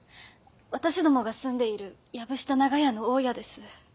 私どもが住んでいる藪下長屋の大家です。